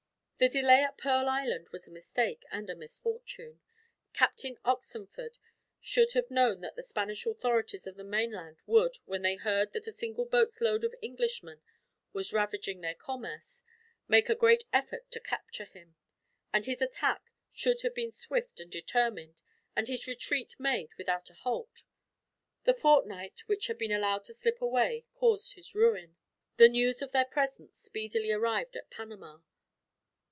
The delay at Pearl Island was a mistake, and a misfortune. Captain Oxenford should have known that the Spanish authorities of the mainland would, when they heard that a single boat's load of Englishmen was ravaging their commerce, make a great effort to capture him; and his attack should have been swift and determined, and his retreat made without a halt. The fortnight which had been allowed to slip away caused his ruin. The news of their presence speedily arrived at Panama.